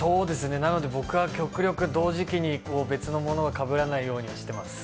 なので僕は同時期に別のものがかぶらないようにしています。